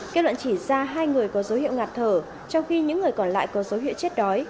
kết luận chỉ ra hai người có dấu hiệu ngạt thở trong khi những người còn lại có dấu hiệu chết đói